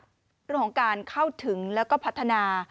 เรื่องของการเข้าถึงแล้วก็พัฒนา